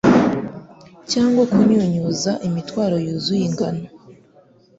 Cyangwa kunyunyuza imitwaro yuzuye ingano.